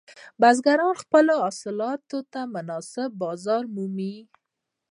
بزګران خپلو حاصلاتو ته مناسب بازار مومي.